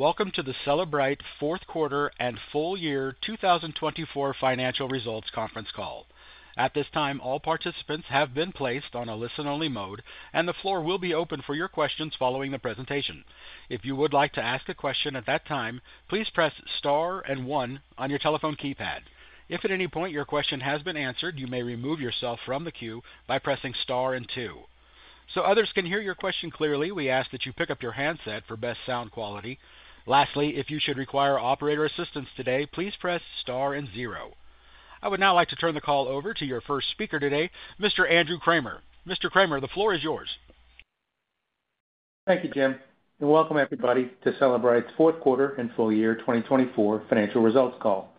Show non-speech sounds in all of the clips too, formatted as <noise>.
Welcome to the Cellebrite Fourth Quarter and Full Year 2024 Financial Results Conference Call. At this time, all participants have been placed on a listen-only mode, and the floor will be open for your questions following the presentation. If you would like to ask a question at that time, please press star and one on your telephone keypad. If at any point your question has been answered, you may remove yourself from the queue by pressing star and two. So others can hear your question clearly, we ask that you pick up your handset for best sound quality. Lastly, if you should require operator assistance today, please press star and zero. I would now like to turn the call over to your first speaker today, Mr. Andrew Kramer. Mr. Kramer, the floor is yours. Thank you, Jim. And welcome everybody to Cellebrite's Fourth Quarter and Full Year 2024 Financial Results Call.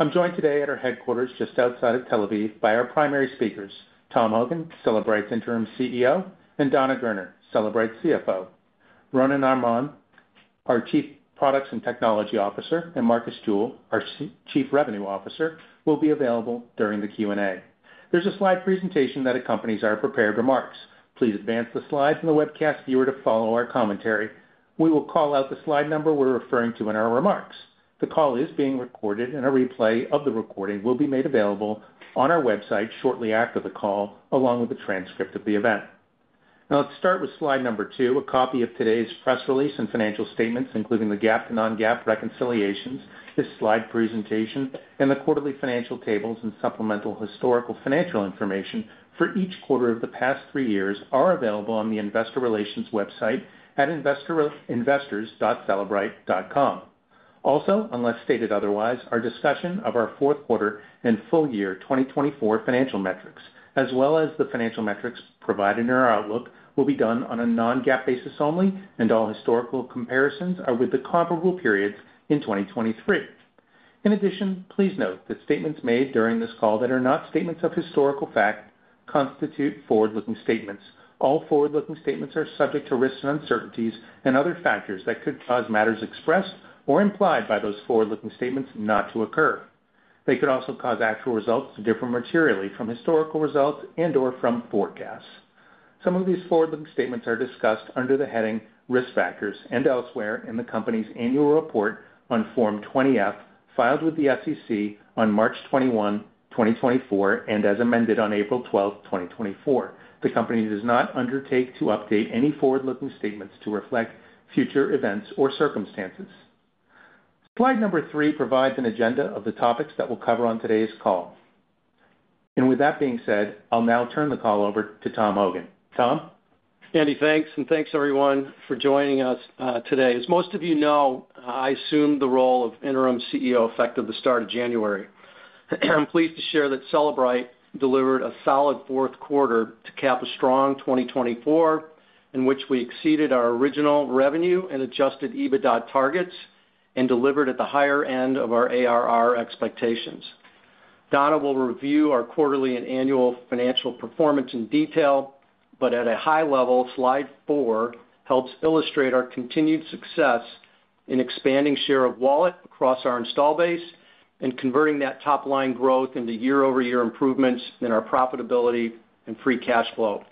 I'm joined today at our headquarters just outside of Tel Aviv by our primary speakers, Tom Hogan, Cellebrite's Interim CEO, and Dana Gerner, Cellebrite's CFO. Ronnen Armon, our Chief Products and Technology Officer, and Marcus Jewell, our Chief Revenue Officer, will be available during the Q&A. There's a slide presentation that accompanies our prepared remarks. Please advance the slides in the webcast viewer to follow our commentary. We will call out the slide number we're referring to in our remarks. The call is being recorded, and a replay of the recording will be made available on our website shortly after the call, along with a transcript of the event. Now let's start with slide number two, a copy of today's press release and financial statements, including the GAAP to non-GAAP reconciliations. This slide presentation and the quarterly financial tables and supplemental historical financial information for each quarter of the past three years are available on the Investor Relations website at investors.cellebrite.com. Also, unless stated otherwise, our discussion of our Fourth Quarter and Full Year 2024 Financial metrics, as well as the financial metrics provided in our outlook, will be done on a non-GAAP basis only, and all historical comparisons are with the comparable periods in 2023. In addition, please note that statements made during this call that are not statements of historical fact constitute forward-looking statements. All forward-looking statements are subject to risks and uncertainties and other factors that could cause matters expressed or implied by those forward-looking statements not to occur. They could also cause actual results to differ materially from historical results and/or from forecasts. Some of these forward-looking statements are discussed under the heading risk factors and elsewhere in the company's annual report on Form 20-F filed with the SEC on March 21, 2024, and as amended on April 12, 2024. The company does not undertake to update any forward-looking statements to reflect future events or circumstances. Slide number three provides an agenda of the topics that we'll cover on today's call. And with that being said, I'll now turn the call over to Tom Hogan. Tom? Andy, thanks, and thanks everyone for joining us today. As most of you know, I assumed the role of Interim CEO effective the start of January. I'm pleased to share that Cellebrite delivered a solid fourth quarter to cap a strong 2024, in which we exceeded our original revenue and adjusted EBITDA targets and delivered at the higher end of our ARR expectations. Dana will review our quarterly and annual financial performance in detail, but at a high level, slide four helps illustrate our continued success in expanding share of wallet across our install base and converting that top-line growth into year-over-year improvements in our profitability and free cash flow.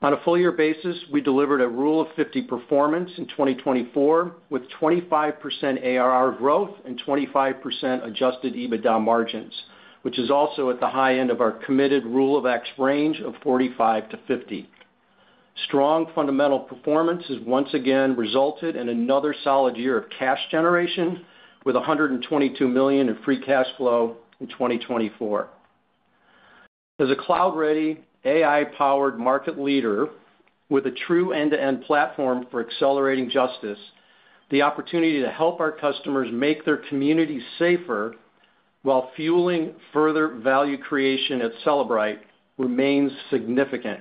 On a full-year basis, we delivered a Rule of 50 performance in 2024 with 25% ARR growth and 25% adjusted EBITDA margins, which is also at the high end of our committed Rule of X range of 45-50. Strong fundamental performance has once again resulted in another solid year of cash generation with $122 million in free cash flow in 2024. As a cloud-ready, AI-powered market leader with a true end-to-end platform for accelerating justice, the opportunity to help our customers make their communities safer while fueling further value creation at Cellebrite remains significant.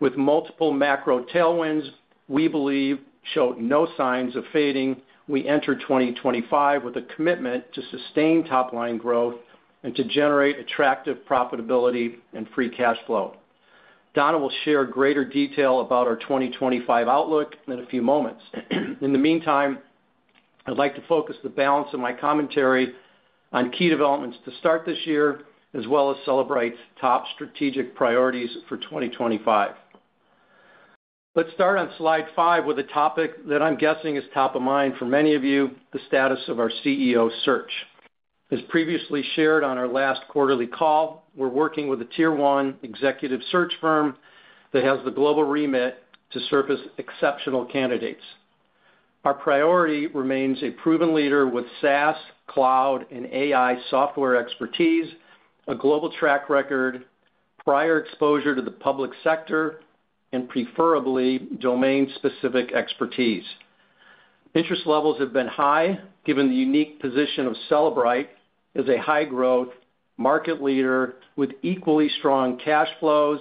With multiple macro tailwinds we believe showed no signs of fading, we enter 2025 with a commitment to sustain top-line growth and to generate attractive profitability and free cash flow. Dana will share greater detail about our 2025 outlook in a few moments. In the meantime, I'd like to focus the balance of my commentary on key developments to start this year, as well as Cellebrite's top strategic priorities for 2025. Let's start on slide five with a topic that I'm guessing is top of mind for many of you: the status of our CEO search. As previously shared on our last quarterly call, we're working with a tier-one executive search firm that has the global remit to surface exceptional candidates. Our priority remains a proven leader with SaaS, cloud, and AI software expertise, a global track record, prior exposure to the public sector, and preferably domain-specific expertise. Interest levels have been high given the unique position of Cellebrite as a high-growth market leader with equally strong cash flows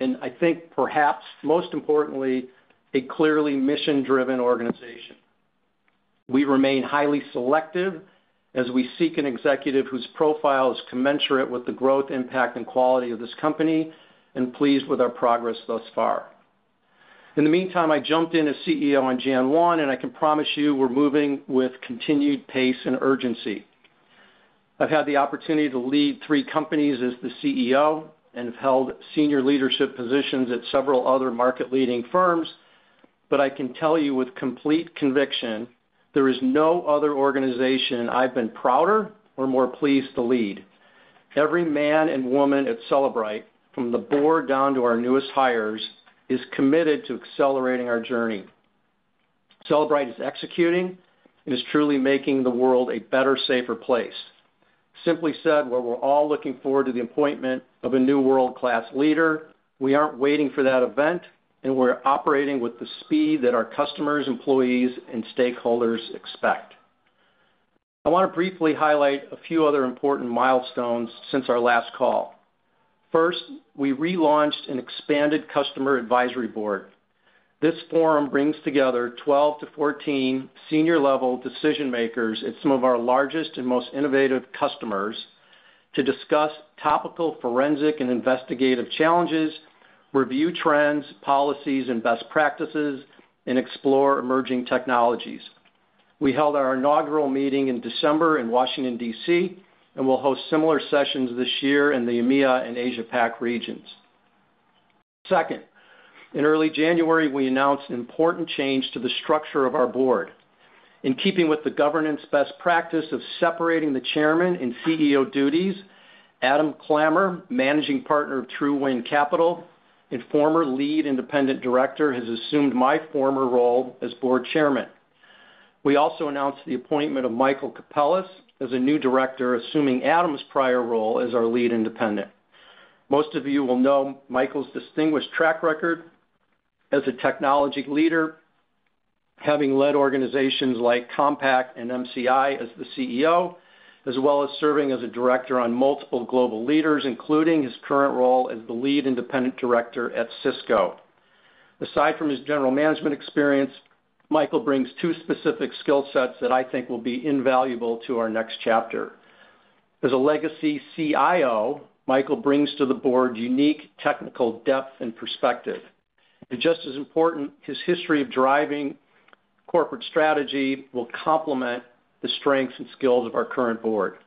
and, I think, perhaps most importantly, a clearly mission-driven organization. We remain highly selective as we seek an executive whose profile is commensurate with the growth, impact, and quality of this company, and pleased with our progress thus far. In the meantime, I jumped in as CEO on January 1, and I can promise you we're moving with continued pace and urgency. I've had the opportunity to lead three companies as the CEO and have held senior leadership positions at several other market-leading firms, but I can tell you with complete conviction there is no other organization I've been prouder or more pleased to lead. Every man and woman at Cellebrite, from the board down to our newest hires, is committed to accelerating our journey. Cellebrite is executing and is truly making the world a better, safer place. Simply said, where we're all looking forward to the appointment of a new world-class leader, we aren't waiting for that event, and we're operating with the speed that our customers, employees, and stakeholders expect. I want to briefly highlight a few other important milestones since our last call. First, we relaunched an expanded customer advisory board. This forum brings together 12 to 14 senior-level decision-makers at some of our largest and most innovative customers to discuss topical forensic and investigative challenges, review trends, policies, and best practices, and explore emerging technologies. We held our inaugural meeting in December in Washington, D.C., and we'll host similar sessions this year in the EMEA and Asia-Pac regions. Second, in early January, we announced important change to the structure of our board. In keeping with the governance best practice of separating the Chairman and CEO duties, Adam Clammer, managing partner of True Wind Capital and former Lead Independent Director, has assumed my former role as Board Chairman. We also announced the appointment of Michael Capellas as a new director, assuming Adam's prior role as our Lead Independent. Most of you will know Michael's distinguished track record as a technology leader, having led organizations like Compaq and MCI as the CEO, as well as serving as a director on multiple global leaders, including his current role as the Lead Independent Director at Cisco. Aside from his general management experience, Michael brings two specific skill sets that I think will be invaluable to our next chapter. As a legacy CIO, Michael brings to the board unique technical depth and perspective. And just as important, his history of driving corporate strategy will complement the strengths and skills of our current board.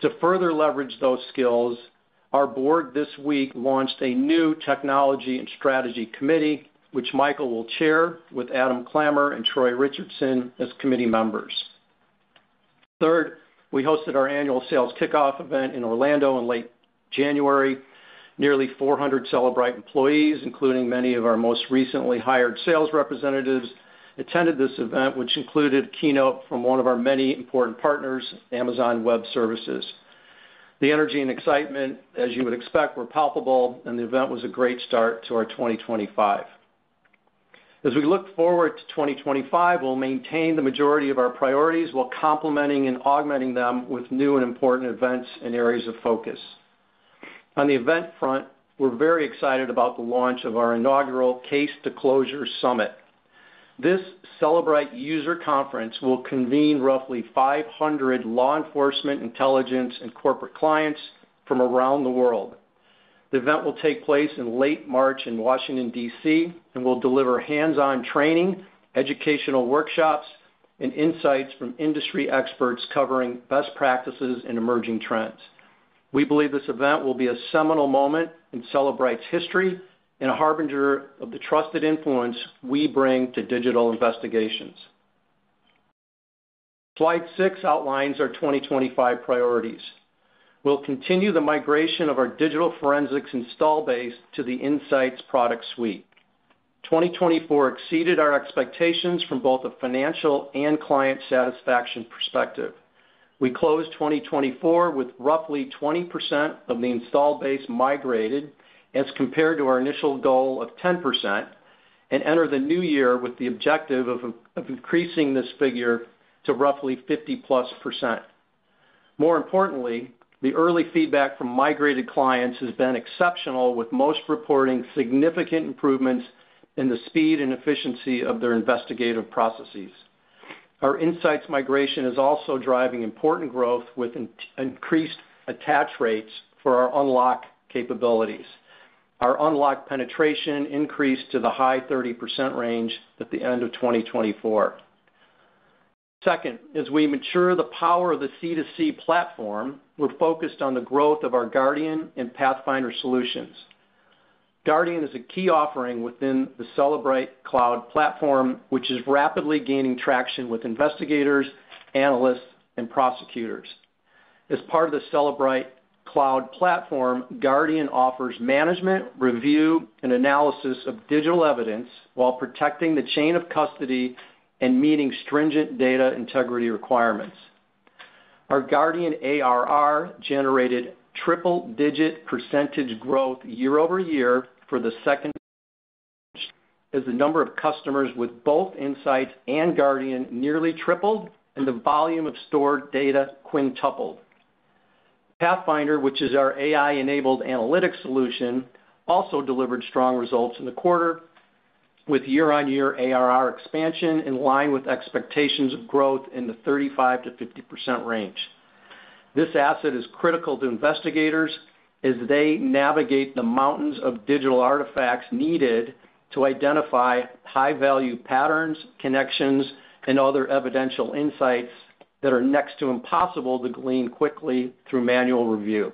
To further leverage those skills, our board this week launched a new technology and strategy committee, which Michael will chair with Adam Clammer and Troy Richardson as committee members. Third, we hosted our annual sales kickoff event in Orlando in late January. Nearly 400 Cellebrite employees, including many of our most recently hired sales representatives, attended this event, which included a keynote from one of our many important partners, Amazon Web Services. The energy and excitement, as you would expect, were palpable, and the event was a great start to our 2025. As we look forward to 2025, we'll maintain the majority of our priorities while complementing and augmenting them with new and important events and areas of focus. On the event front, we're very excited about the launch of our inaugural Case to Closure Summit. This Cellebrite user conference will convene roughly 500 law enforcement, intelligence, and corporate clients from around the world. The event will take place in late March in Washington, D.C., and will deliver hands-on training, educational workshops, and insights from industry experts covering best practices and emerging trends. We believe this event will be a seminal moment in Cellebrite's history and a harbinger of the trusted influence we bring to digital investigations. Slide six outlines our 2025 priorities. We'll continue the migration of our digital forensics install base to the Inseyets product suite. 2024 exceeded our expectations from both a financial and client satisfaction perspective. We closed 2024 with roughly 20% of the install base migrated as compared to our initial goal of 10% and entered the new year with the objective of increasing this figure to roughly 50+%. More importantly, the early feedback from migrated clients has been exceptional, with most reporting significant improvements in the speed and efficiency of their investigative processes. Our Inseyets migration is also driving important growth with increased attach rates for our unlock capabilities. Our unlock penetration increased to the high 30% range at the end of 2024. Second, as we mature the power of the C2C platform, we're focused on the growth of our Guardian and Pathfinder solutions. Guardian is a key offering within the Cellebrite Cloud Platform, which is rapidly gaining traction with investigators, analysts, and prosecutors. As part of the Cellebrite Cloud Platform, Guardian offers management, review, and analysis of digital evidence while protecting the chain of custody and meeting stringent data integrity requirements. Our Guardian ARR generated triple-digit percentage growth year-over-year for the second. <audio distortion> As the number of customers with both Inseyets and Guardian nearly tripled and the volume of stored data quintupled. Pathfinder, which is our AI-enabled analytics solution, also delivered strong results in the quarter with year-on-year ARR expansion in line with expectations of growth in the 35%-50% range. This asset is critical to investigators as they navigate the mountains of digital artifacts needed to identify high-value patterns, connections, and other evidential insights that are next to impossible to glean quickly through manual review.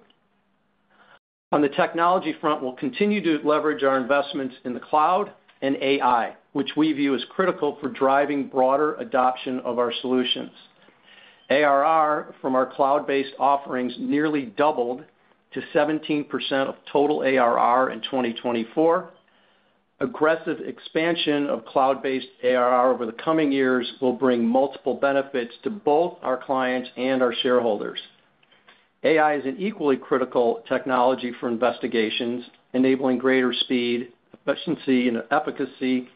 On the technology front, we'll continue to leverage our investments in the cloud and AI, which we view as critical for driving broader adoption of our solutions. ARR from our cloud-based offerings nearly doubled to 17% of total ARR in 2024. Aggressive expansion of cloud-based ARR over the coming years will bring multiple benefits to both our clients and our shareholders. AI is an equally critical technology for investigations, enabling greater speed, efficiency, and efficacy.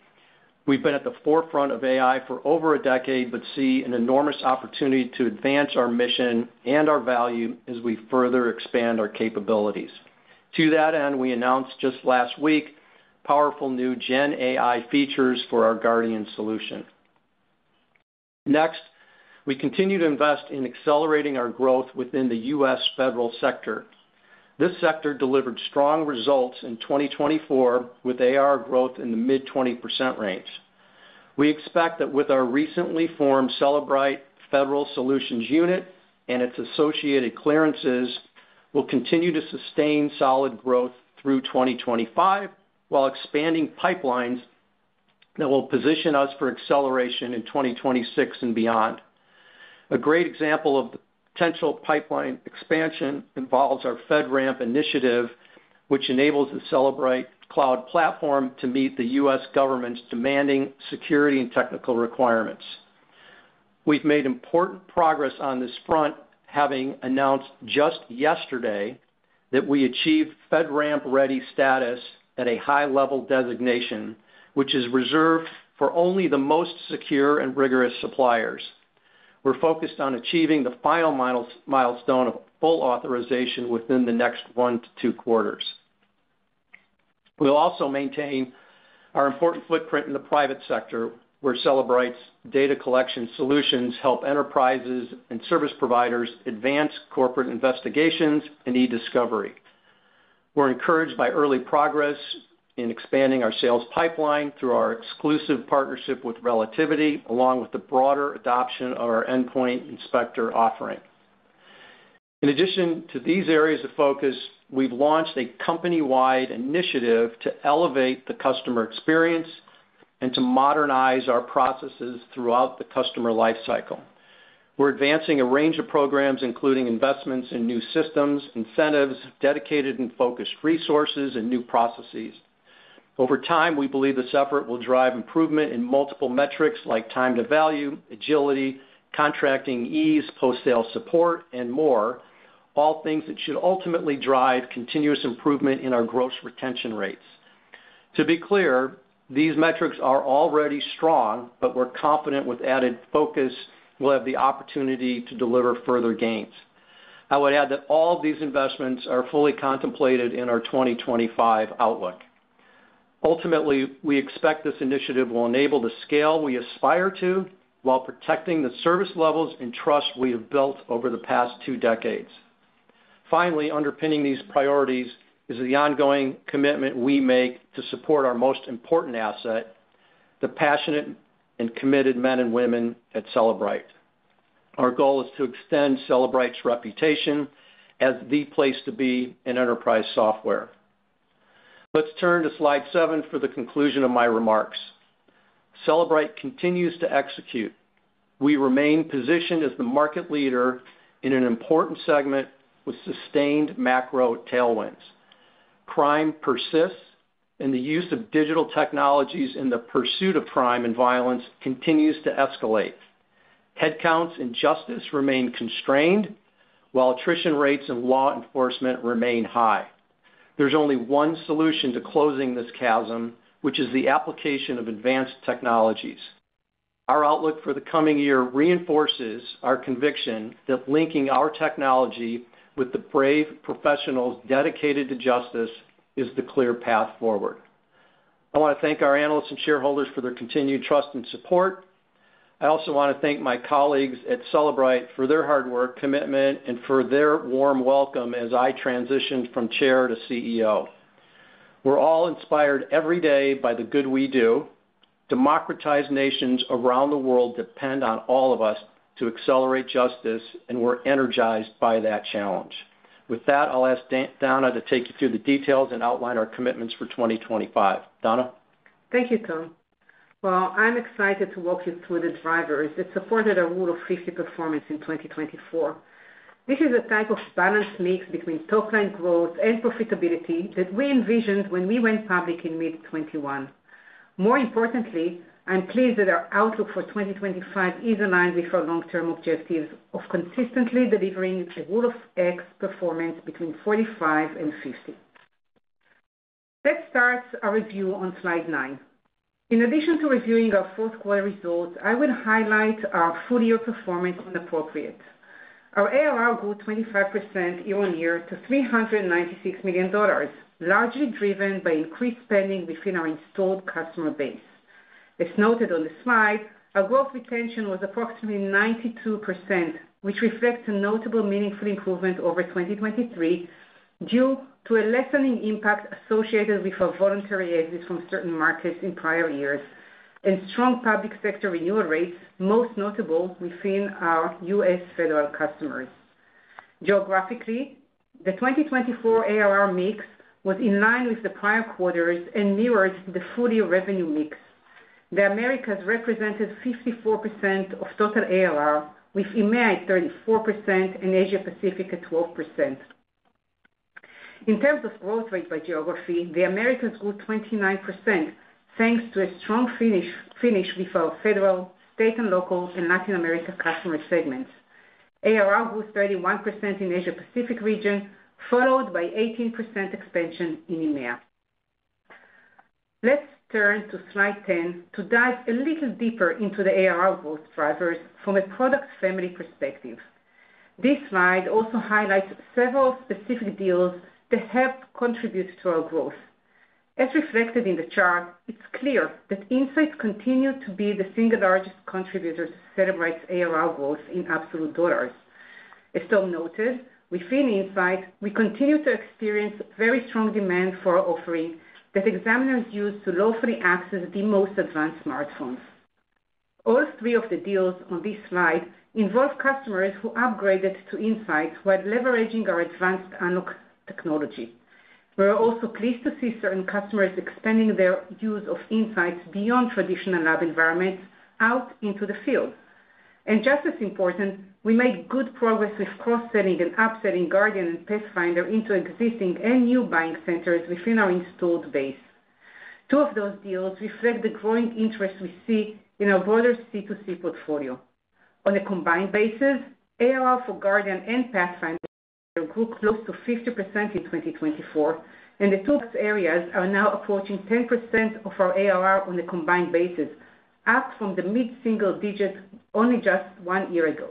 We've been at the forefront of AI for over a decade but see an enormous opportunity to advance our mission and our value as we further expand our capabilities. To that end, we announced just last week powerful new GenAI features for our Guardian solution. Next, we continue to invest in accelerating our growth within the U.S. federal sector. This sector delivered strong results in 2024 with ARR growth in the mid-20% range. We expect that with our recently formed Cellebrite Federal Solutions unit and its associated clearances, we'll continue to sustain solid growth through 2025 while expanding pipelines that will position us for acceleration in 2026 and beyond. A great example of potential pipeline expansion involves our FedRAMP initiative, which enables the Cellebrite Cloud Platform to meet the U.S. government's demanding security and technical requirements. We've made important progress on this front, having announced just yesterday that we achieved FedRAMP Ready status at a high-level designation, which is reserved for only the most secure and rigorous suppliers. We're focused on achieving the final milestone of full authorization within the next one to two quarters. We'll also maintain our important footprint in the private sector, where Cellebrite's data collection solutions help enterprises and service providers advance corporate investigations and e-discovery. We're encouraged by early progress in expanding our sales pipeline through our exclusive partnership with Relativity, along with the broader adoption of our Endpoint Inspector offering. In addition to these areas of focus, we've launched a company-wide initiative to elevate the customer experience and to modernize our processes throughout the customer lifecycle. We're advancing a range of programs, including investments in new systems, incentives, dedicated and focused resources, and new processes. Over time, we believe this effort will drive improvement in multiple metrics like time to value, agility, contracting ease, post-sale support, and more, all things that should ultimately drive continuous improvement in our gross retention rates. To be clear, these metrics are already strong, but we're confident with added focus, we'll have the opportunity to deliver further gains. I would add that all of these investments are fully contemplated in our 2025 outlook. Ultimately, we expect this initiative will enable the scale we aspire to while protecting the service levels and trust we have built over the past two decades. Finally, underpinning these priorities is the ongoing commitment we make to support our most important asset, the passionate and committed men and women at Cellebrite. Our goal is to extend Cellebrite's reputation as the place to be in enterprise software. Let's turn to slide seven for the conclusion of my remarks. Cellebrite continues to execute. We remain positioned as the market leader in an important segment with sustained macro tailwinds. Crime persists, and the use of digital technologies in the pursuit of crime and violence continues to escalate. Headcounts and justice remain constrained, while attrition rates and law enforcement remain high. There's only one solution to closing this chasm, which is the application of advanced technologies. Our outlook for the coming year reinforces our conviction that linking our technology with the brave professionals dedicated to justice is the clear path forward. I want to thank our analysts and shareholders for their continued trust and support. I also want to thank my colleagues at Cellebrite for their hard work, commitment, and for their warm welcome as I transitioned from chair to CEO. We're all inspired every day by the good we do. Democratized nations around the world depend on all of us to accelerate justice, and we're energized by that challenge. With that, I'll ask Dana to take you through the details and outline our commitments for 2025. Dana. Thank you, Tom. Well, I'm excited to walk you through the drivers that supported our Rule of 50 performance in 2024. This is a type of balanced mix between top-line growth and profitability that we envisioned when we went public in mid-2021. More importantly, I'm pleased that our outlook for 2025 is aligned with our long-term objectives of consistently delivering a Rule of X performance between 45 and 50. Let's start our review on slide nine. In addition to reviewing our fourth quarter results, I would highlight our full-year performance when appropriate. Our ARR grew 25% year-on-year to $396 million, largely driven by increased spending within our installed customer base. As noted on the slide, our gross retention was approximately 92%, which reflects a notable meaningful improvement over 2023 due to a lessening impact associated with our voluntary exits from certain markets in prior years and strong public sector renewal rates, most notable within our U.S. federal customers. Geographically, the 2024 ARR mix was in line with the prior quarters and mirrored the full-year revenue mix. The Americas represented 54% of total ARR, with EMEA at 34% and Asia-Pacific at 12%. In terms of growth rate by geography, the Americas grew 29%, thanks to a strong finish with our federal, state, and local and Latin America customer segments. ARR grew 31% in the Asia-Pacific region, followed by 18% expansion in EMEA. Let's turn to slide 10 to dive a little deeper into the ARR growth drivers from a product family perspective. This slide also highlights several specific deals that have contributed to our growth. As reflected in the chart, it's clear that Inseyets continues to be the single largest contributor to Cellebrite's ARR growth in absolute dollars. As Tom noted, within Inseyets, we continue to experience very strong demand for our offering that examiners use to lawfully access the most advanced smartphones. All three of the deals on this slide involve customers who upgraded to Inseyets while leveraging our advanced unlock technology. We're also pleased to see certain customers expanding their use of Inseyets beyond traditional lab environments out into the field. And just as important, we made good progress with cross-selling and upselling Guardian and Pathfinder into existing and new buying centers within our installed base. Two of those deals reflect the growing interest we see in our broader C2C portfolio. On a combined basis, ARR for Guardian and Pathfinder grew close to 50% in 2024, and the two areas are now approaching 10% of our ARR on a combined basis, up from the mid-single digit only just one year ago.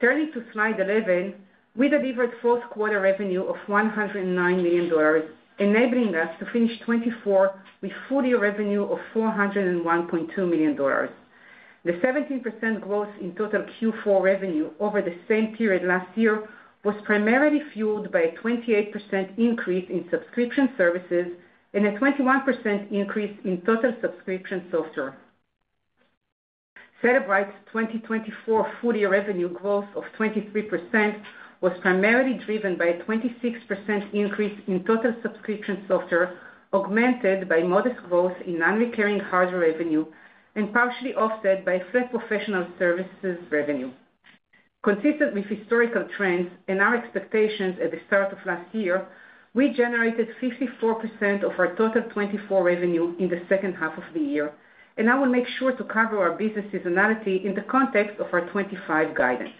Turning to slide 11, we delivered fourth quarter revenue of $109 million, enabling us to finish 2024 with full-year revenue of $401.2 million. The 17% growth in total Q4 revenue over the same period last year was primarily fueled by a 28% increase in subscription services and a 21% increase in total subscription software. Cellebrite's 2024 full-year revenue growth of 23% was primarily driven by a 26% increase in total subscription software, augmented by modest growth in non-recurring hardware revenue and partially offset by flat professional services revenue. Consistent with historical trends and our expectations at the start of last year, we generated 54% of our total 2024 revenue in the second half of the year, and I will make sure to cover our business seasonality in the context of our 2025 guidance.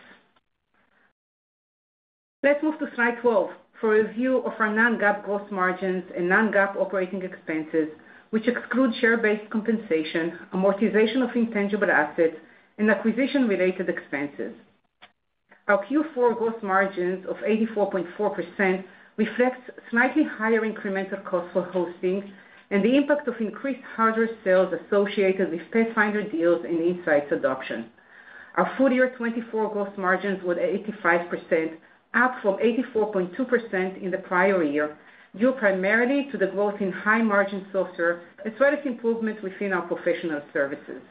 Let's move to slide 12 for a review of our non-GAAP gross margins and non-GAAP operating expenses, which exclude share-based compensation, amortization of intangible assets, and acquisition-related expenses. Our Q4 gross margins of 84.4% reflect slightly higher incremental costs for hosting and the impact of increased hardware sales associated with Pathfinder deals and Inseyets adoption. Our full-year 2024 gross margins were 85%, up from 84.2% in the prior year, due primarily to the growth in high-margin software as well as improvement within our professional services.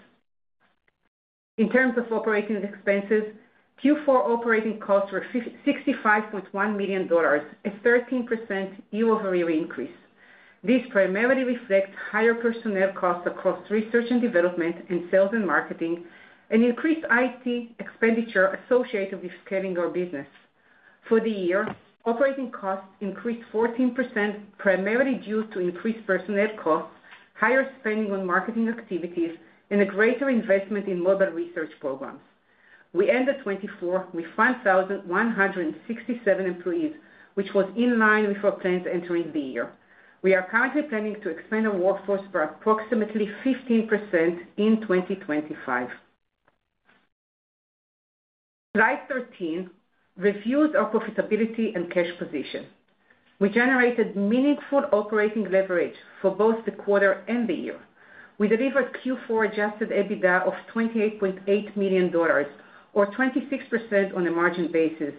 In terms of operating expenses, Q4 operating costs were $65.1 million, a 13% year-over-year increase. These primarily reflect higher personnel costs across research and development and sales and marketing, and increased IT expenditure associated with scaling our business. For the year, operating costs increased 14%, primarily due to increased personnel costs, higher spending on marketing activities, and a greater investment in mobile research programs. We ended 2024 with 1,167 employees, which was in line with our plans entering the year. We are currently planning to expand our workforce by approximately 15% in 2025. Slide 13 reviews our profitability and cash position. We generated meaningful operating leverage for both the quarter and the year. We delivered Q4 adjusted EBITDA of $28.8 million, or 26% on a margin basis.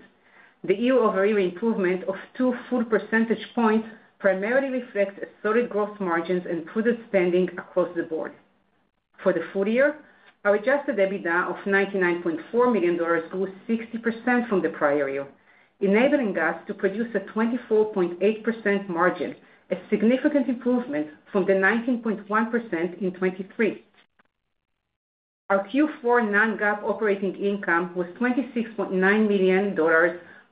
The year-over-year improvement of two full percentage points primarily reflects solid gross margins and prudent spending across the board. For the full year, our adjusted EBITDA of $99.4 million grew 60% from the prior year, enabling us to produce a 24.8% margin, a significant improvement from the 19.1% in 2023. Our Q4 non-GAAP operating income was $26.9 million,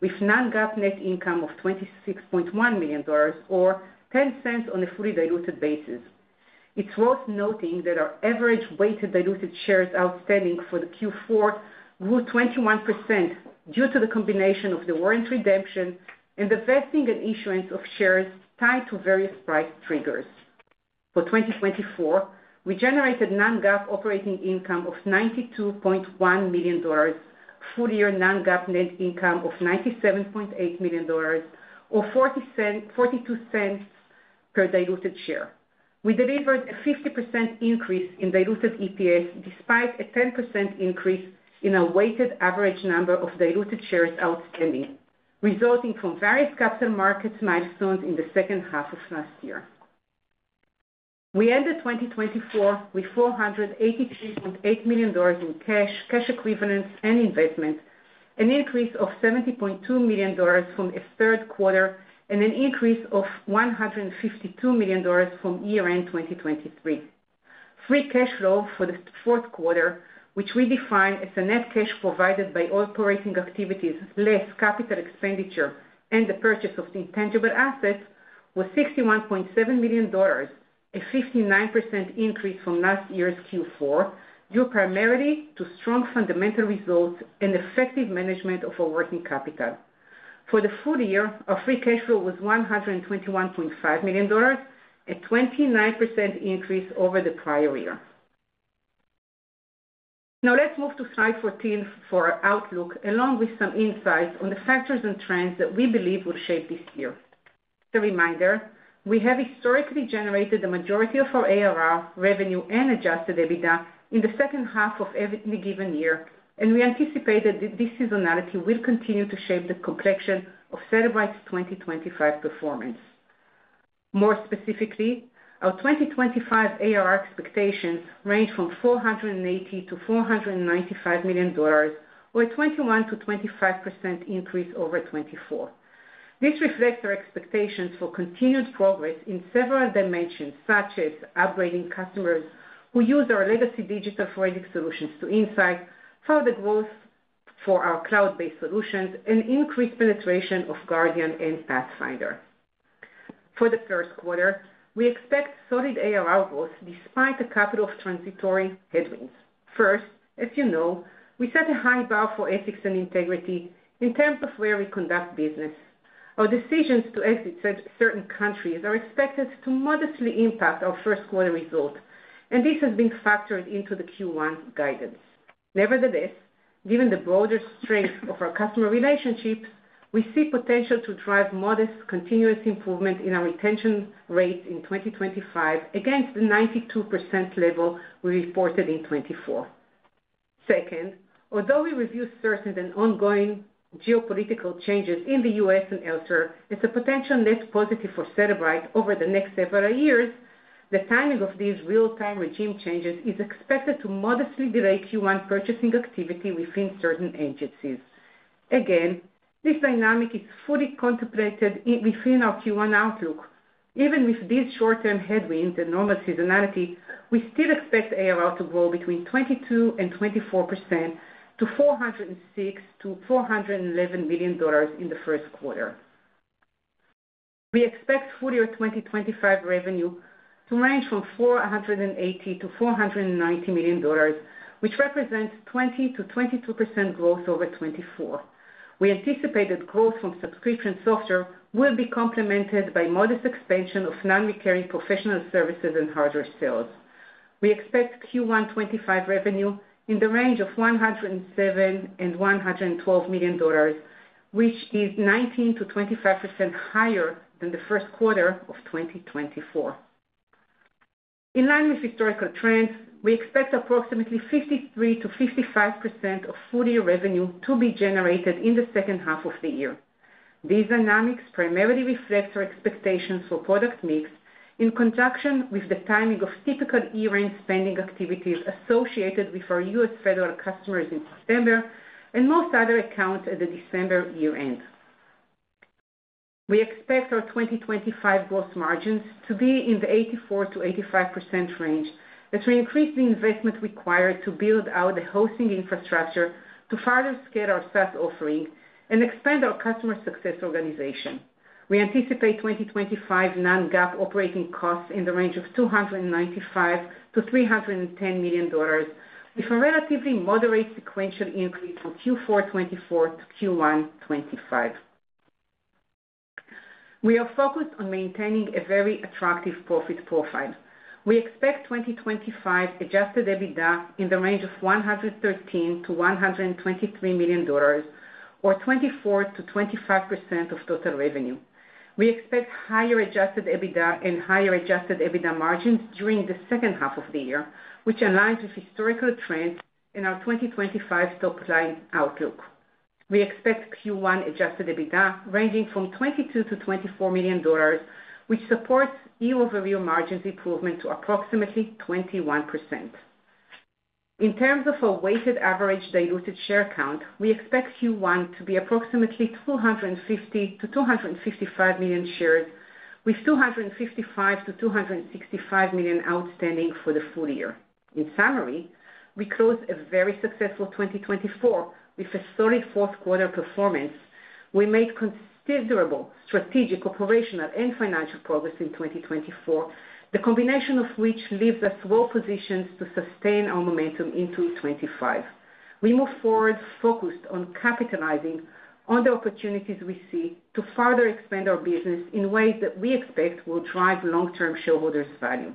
with non-GAAP net income of $26.1 million, or $0.10 on a fully diluted basis. It's worth noting that our average weighted diluted shares outstanding for the Q4 grew 21% due to the combination of the warrant redemption and the vesting and issuance of shares tied to various price triggers. For 2024, we generated non-GAAP operating income of $92.1 million, full-year non-GAAP net income of $97.8 million, or $0.42 per diluted share. We delivered a 50% increase in diluted EPS despite a 10% increase in our weighted average number of diluted shares outstanding, resulting from various capital markets milestones in the second half of last year. We ended 2024 with $483.8 million in cash, cash equivalents, and investment, an increase of $70.2 million from the third quarter, and an increase of $152 million from year-end 2023. Free cash flow for the fourth quarter, which we define as the net cash provided by operating activities less capital expenditure and the purchase of intangible assets, was $61.7 million, a 59% increase from last year's Q4, due primarily to strong fundamental results and effective management of our working capital. For the full year, our free cash flow was $121.5 million, a 29% increase over the prior year. Now, let's move to slide 14 for our outlook, along with some insights on the factors and trends that we believe will shape this year. As a reminder, we have historically generated the majority of our ARR revenue and adjusted EBITDA in the second half of any given year, and we anticipate that this seasonality will continue to shape the complexion of Cellebrite's 2025 performance. More specifically, our 2025 ARR expectations range from $480-$495 million, or a 21%-25% increase over 2024. This reflects our expectations for continued progress in several dimensions, such as upgrading customers who use our legacy digital forensic solutions to Inseyets, further growth for our cloud-based solutions, and increased penetration of Guardian and Pathfinder. For the first quarter, we expect solid ARR growth despite a couple of transitory headwinds. First, as you know, we set a high bar for ethics and integrity in terms of where we conduct business. Our decisions to exit certain countries are expected to modestly impact our first-quarter result, and this has been factored into the Q1 guidance. Nevertheless, given the broader strength of our customer relationships, we see potential to drive modest continuous improvement in our retention rates in 2025 against the 92% level we reported in 2024. Second, although we reviewed certain and ongoing geopolitical changes in the U.S. and elsewhere as a potential net positive for Cellebrite over the next several years, the timing of these real-time regime changes is expected to modestly delay Q1 purchasing activity within certain agencies. Again, this dynamic is fully contemplated within our Q1 outlook. Even with these short-term headwinds and normal seasonality, we still expect ARR to grow between 22% and 24% to $406-$411 million in the first quarter. We expect full-year 2025 revenue to range from $480-$490 million, which represents 20%-22% growth over 2024. We anticipate that growth from subscription software will be complemented by modest expansion of non-recurring professional services and hardware sales. We expect Q1 2025 revenue in the range of $107 and $112 million, which is 19%-25% higher than the first quarter of 2024. In line with historical trends, we expect approximately 53%-55% of full-year revenue to be generated in the second half of the year. These dynamics primarily reflect our expectations for product mix in conjunction with the timing of typical year-end spending activities associated with our U.S. federal customers in September and most other accounts at the December year-end. We expect our 2025 gross margins to be in the 84%-85% range as we increase the investment required to build out the hosting infrastructure to further scale our SaaS offering and expand our customer success organization. We anticipate 2025 non-GAAP operating costs in the range of $295-$310 million, with a relatively moderate sequential increase from Q4 2024 to Q1 2025. We are focused on maintaining a very attractive profit profile. We expect 2025 adjusted EBITDA in the range of $113-$123 million, or 24%-25% of total revenue. We expect higher adjusted EBITDA and higher adjusted EBITDA margins during the second half of the year, which aligns with historical trends in our 2025 top-line outlook. We expect Q1 adjusted EBITDA ranging from $22-$24 million, which supports year-over-year margins improvement to approximately 21%. In terms of our Weighted Average Diluted Share count, we expect Q1 to be approximately 250-255 million shares, with 255-265 million outstanding for the full year. In summary, we closed a very successful 2024 with a solid fourth quarter performance. We made considerable strategic, operational, and financial progress in 2024, the combination of which leaves us well-positioned to sustain our momentum into 2025. We move forward focused on capitalizing on the opportunities we see to further expand our business in ways that we expect will drive long-term shareholders' value.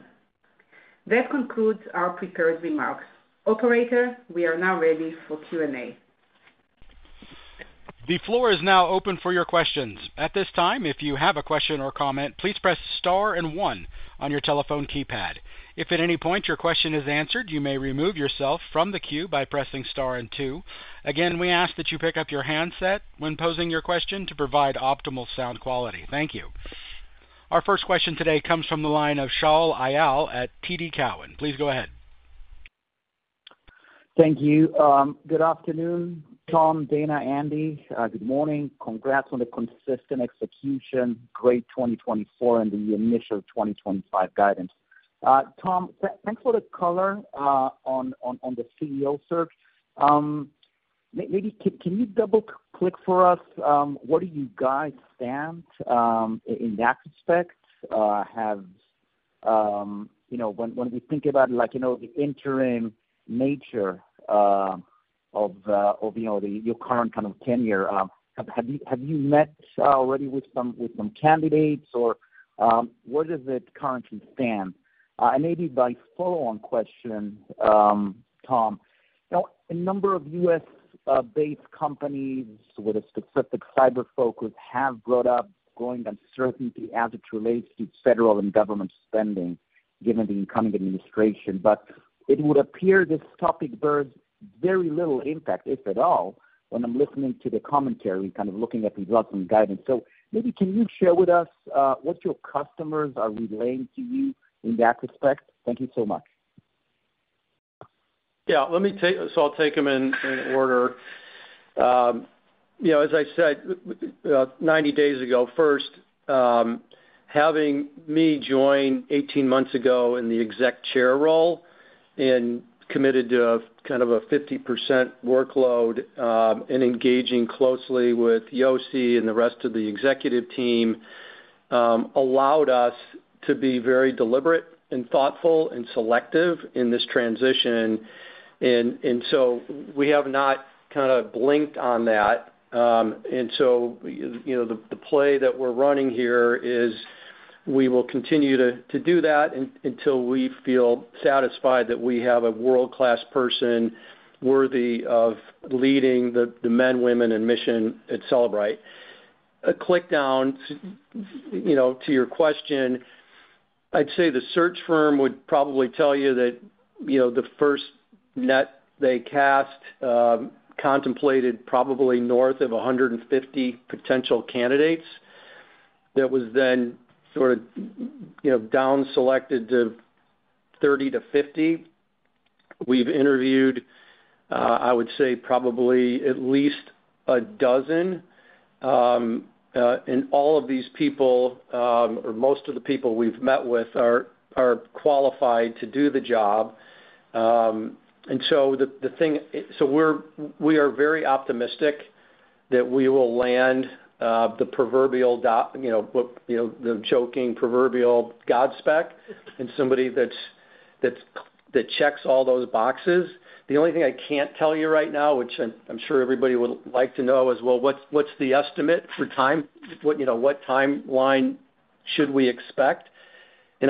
That concludes our prepared remarks. Operator, we are now ready for Q&A. The floor is now open for your questions. At this time, if you have a question or comment, please press star and one on your telephone keypad. If at any point your question is answered, you may remove yourself from the queue by pressing star and two. Again, we ask that you pick up your handset when posing your question to provide optimal sound quality. Thank you. Our first question today comes from the line of Shaul Eyal at TD Cowen. Please go ahead. Thank you. Good afternoon, Tom, Dana, Andy. Good morning. Congrats on the consistent execution, great 2024, and the initial 2025 guidance. Tom, thanks for the color on the CEO search. Maybe can you double-click for us what do you guys stand in that respect? When we think about the interim nature of your current kind of tenure, have you met already with some candidates, or where does it currently stand? And maybe my follow-on question, Tom. A number of U.S.-based companies with a specific cyber focus have brought up growing uncertainty as it relates to federal and government spending given the incoming administration. But it would appear this topic bears very little impact, if at all, when I'm listening to the commentary, kind of looking at the results and guidance. So maybe can you share with us what your customers are relaying to you in that respect? Thank you so much. Yeah. So I'll take them in order. As I said 90 days ago, first, having me join 18 months ago in the Exec Chair role and committed to kind of a 50% workload and engaging closely with Yossi and the rest of the executive team allowed us to be very deliberate and thoughtful and selective in this transition. And so we have not kind of blinked on that. And so the play that we're running here is we will continue to do that until we feel satisfied that we have a world-class person worthy of leading the men, women, and mission at Cellebrite. To drill down to your question, I'd say the search firm would probably tell you that the first net they cast contemplated probably north of 150 potential candidates. That was then sort of down-selected to 30-50. We've interviewed, I would say, probably at least a dozen. And all of these people, or most of the people we've met with, are qualified to do the job. And so the thing, so we are very optimistic that we will land the proverbial, the joking proverbial God's pick and somebody that checks all those boxes. The only thing I can't tell you right now, which I'm sure everybody would like to know, is, well, what's the estimate for time? What timeline should we expect?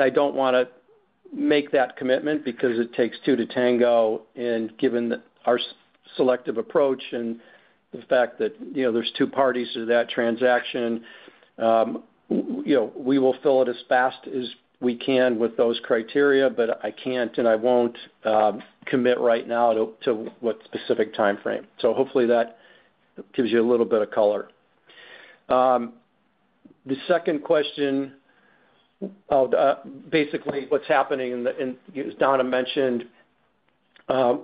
I don't want to make that commitment because it takes two to tango. Given our selective approach and the fact that there's two parties to that transaction, we will fill it as fast as we can with those criteria, but I can't and I won't commit right now to what specific timeframe. Hopefully that gives you a little bit of color. The second question, basically, what's happening, as Dana mentioned,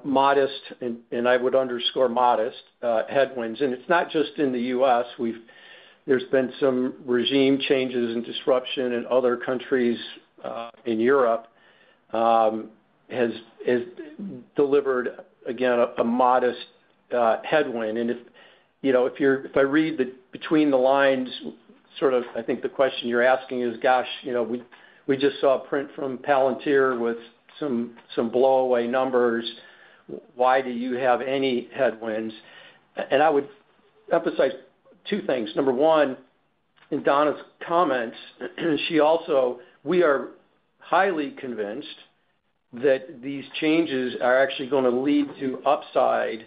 modest, and I would underscore modest, headwinds. It's not just in the U.S. There's been some regime changes and disruption in other countries in Europe has delivered, again, a modest headwind. If I read between the lines, sort of I think the question you're asking is, gosh, we just saw a print from Palantir with some blowout numbers. Why do you have any headwinds? And I would emphasize two things. Number one, in Dana's comments, she also, we are highly convinced that these changes are actually going to lead to upside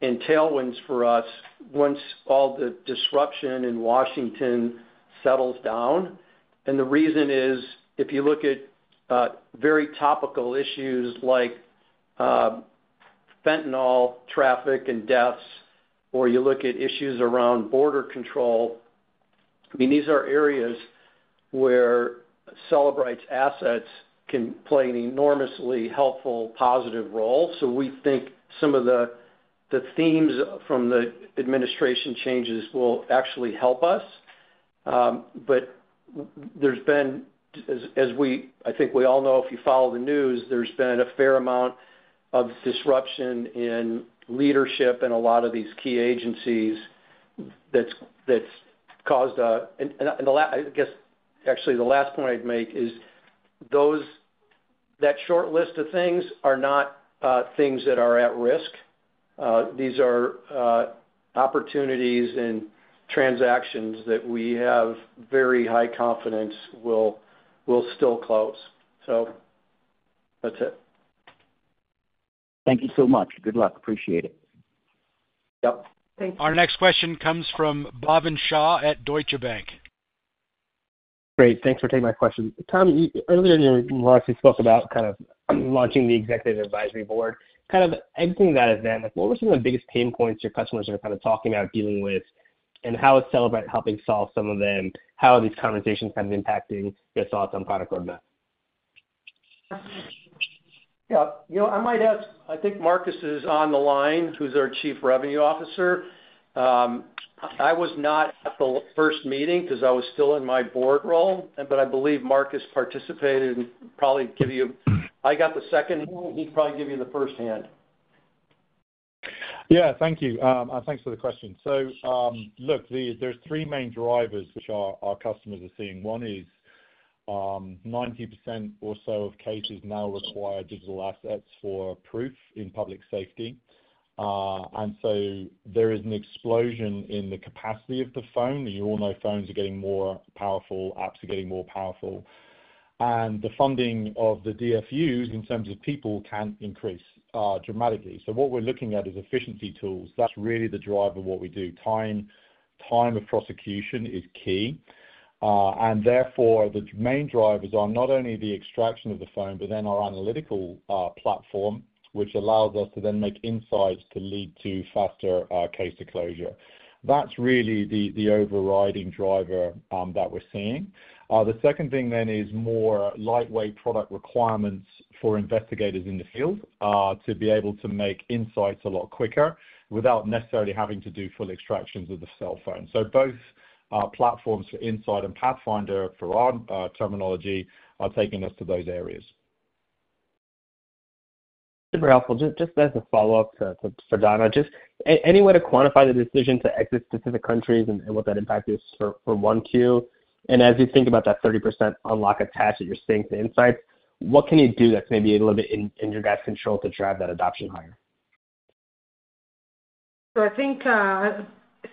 and tailwinds for us once all the disruption in Washington settles down. And the reason is, if you look at very topical issues like fentanyl trafficking and deaths, or you look at issues around border control, I mean, these are areas where Cellebrite's assets can play an enormously helpful, positive role. So we think some of the themes from the administration changes will actually help us. But there's been, as I think we all know if you follow the news, there's been a fair amount of disruption in leadership and a lot of these key agencies that's caused a—and I guess, actually, the last point I'd make is that short list of things are not things that are at risk. These are opportunities and transactions that we have very high confidence will still close. So that's it. Thank you so much. Good luck. Appreciate it. Yep. Thank you. Our next question comes from Bhavin Shah at Deutsche Bank. Great. Thanks for taking my question. Tom, earlier in your interview, you spoke about kind of launching the executive advisory board. Kind of exiting that event, what were some of the biggest pain points your customers are kind of talking about dealing with, and how is Cellebrite helping solve some of them? How are these conversations kind of impacting your thoughts on product roadmap? Yeah. I might ask, I think Marcus is on the line, who's our Chief Revenue Officer. I was not at the first meeting because I was still in my board role, but I believe Marcus participated and probably gave you. I got the second hand. He probably give you the first hand. Yeah. Thank you. Thanks for the question. So look, there are three main drivers which our customers are seeing. One is 90% or so of cases now require digital assets for proof in public safety. And so there is an explosion in the capacity of the phone. You all know phones are getting more powerful, apps are getting more powerful. And the funding of the DFUs, in terms of people, can increase dramatically. So what we're looking at is efficiency tools. That's really the drive of what we do. Time of prosecution is key, and therefore, the main drivers are not only the extraction of the phone, but then our analytical platform, which allows us to then make insights to lead to faster case closure. That's really the overriding driver that we're seeing. The second thing then is more lightweight product requirements for investigators in the field to be able to make insights a lot quicker without necessarily having to do full extractions of the cell phone. So both platforms for Inseyets and Pathfinder for our terminology are taking us to those areas. Super helpful. Just as a follow-up for Dana, just any way to quantify the decision to exit specific countries and what that impact is for 1Q? And as you think about that 30% unlock attached that you're seeing to Inseyets, what can you do that's maybe a little bit in your guys' control to drive that adoption higher? So I think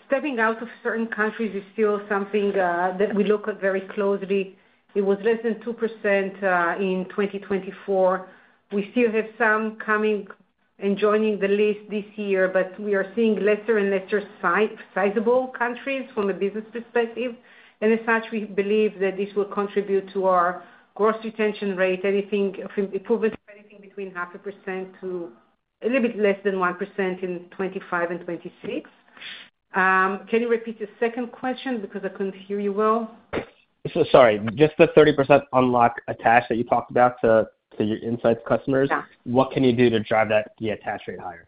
stepping out of certain countries is still something that we look at very closely. It was less than 2% in 2024. We still have some coming and joining the list this year, but we are seeing lesser and lesser sizable countries from a business perspective. And as such, we believe that this will contribute to our gross retention rate, improving anything between 0.5% to a little bit less than 1% in 2025 and 2026. Can you repeat the second question because I couldn't hear you well? Sorry. Just the 30% unlock attached that you talked about to your Inseyets customers, what can you do to drive that attach rate higher?